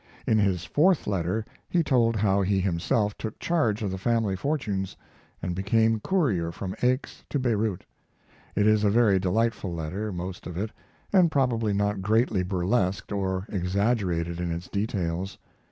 In his fourth letter he told how he himself took charge of the family fortunes and became courier from Aix to Bayreuth. It is a very delightful letter, most of it, and probably not greatly burlesqued or exaggerated in its details.